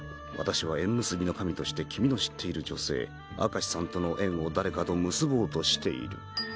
わたしは縁結びの神として君の知っている女性明石さんとの縁を誰かと結ぼうとしている。